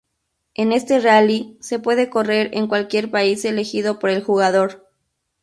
En este rally, se puede correr en cualquier país elegido por el jugador.